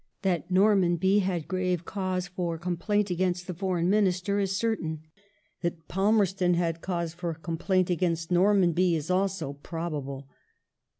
That Noimanby had grave cause for complaint against the Foreign Secretary is certain. That Palmerston had cause for complaint against Normanby is also probable.